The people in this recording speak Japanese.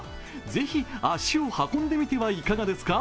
ぜひ足を運んでみてはいかがですか？